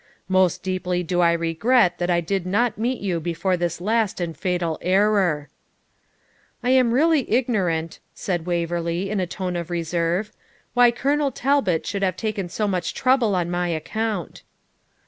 Most deeply do I regret that I did not meet you before this last and fatal error.' 'I am really ignorant,' said Waverley, in a tone of reserve, 'why Colonel Talbot should have taken so much trouble on my account.'